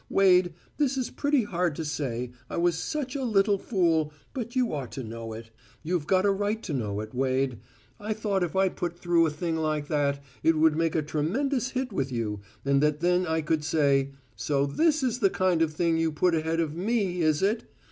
Wade, this is pretty hard to say, I was such a little fool, but you ought to know it. You've got a right to know it, Wade: I thought if I put through a thing like that, it would make a tremendous hit with you, and that then I could say: `So this is the kind of thing you put ahead of me, is it?